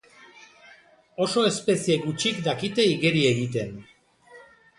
Oso espezie gutxik dakite igeri egiten.